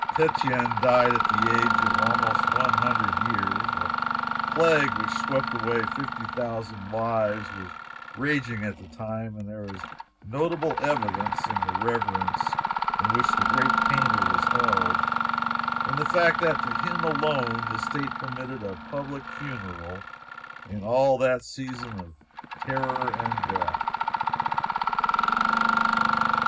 Titian died at the age of almost one hundred years. A plague which swept away fifty thousand lives was raging at the time, and there is notable evidence of the reverence in which the great painter was held, in the fact that to him alone the state permitted a public funeral in all that season of terror and death.